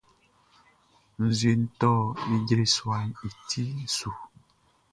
Nzueʼn tɔ ijre suaʼn i ti su.